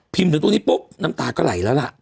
ถึงตรงนี้ปุ๊บน้ำตาก็ไหลแล้วล่ะ